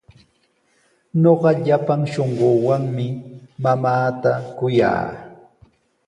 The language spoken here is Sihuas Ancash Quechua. Ñuqa llapan shunquuwanmi mamaata kuyaa.